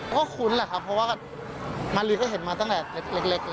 ก็คุ้นแหละครับเพราะว่ามารีก็เห็นมาตั้งแต่เล็กเลย